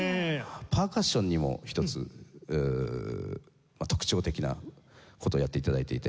パーカッションにも一つ特徴的な事をやって頂いていて。